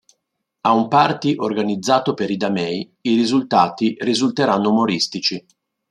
A un party organizzato per Ida May, i risultati risulteranno umoristici.